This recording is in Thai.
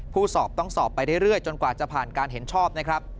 สอบต้องสอบไปเรื่อยจนกว่าจะผ่านการเห็นชอบนะครับ